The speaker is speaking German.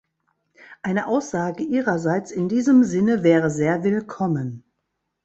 Eine Aussage Ihrerseits in diesem Sinne wäre sehr willkommen.